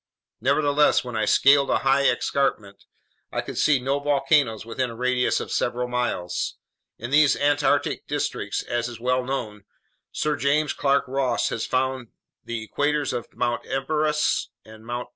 Nevertheless, when I scaled a high escarpment, I could see no volcanoes within a radius of several miles. In these Antarctic districts, as is well known, Sir James Clark Ross had found the craters of Mt. Erebus and Mt.